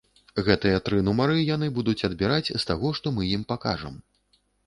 Гэтыя тры нумары яны будуць адбіраць з таго, што мы ім пакажам.